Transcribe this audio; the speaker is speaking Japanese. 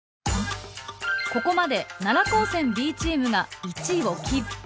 ここまで奈良高専Ｂチームが１位をキープ。